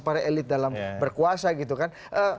para elit dalam berkuasa gitu kan